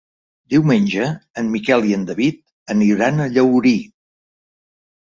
Diumenge en Miquel i en David aniran a Llaurí.